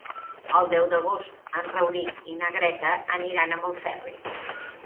El deu d'agost en Rauric i na Greta aniran a Montferri.